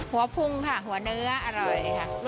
พุงค่ะหัวเนื้ออร่อยค่ะ